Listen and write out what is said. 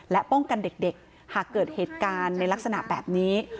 และป้องกันเด็กหากเกิดเหตุการณ์ในลักษณะแบบนี้